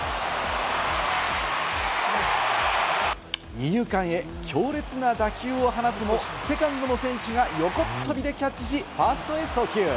二遊間へ強烈な打球を放つも、セカンドの選手が横っ飛びでキャッチし、ファーストへ送球。